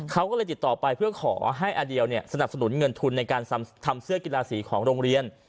เขาก็เลยติดต่อไปเพื่อขอให้อเดียลสนับสนุนเงินทุนในการทำเสื้อกีฬาสีของโรงเรียน